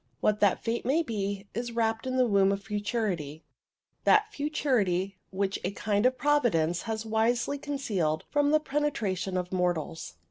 What that fate may be is wrapped in the womb of futurity that futurity which a kind Providence has wisely concealed from the penetration of mortals.